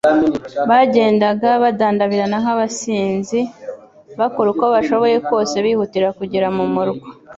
Bagendaga badandabirana nk'abasinzi, bakora uko bashoboye kose bihutira kugera mu murwa,